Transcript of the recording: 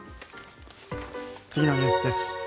次のニュースです。